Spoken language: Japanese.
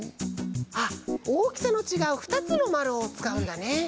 あっおおきさのちがうふたつのまるをつかうんだね。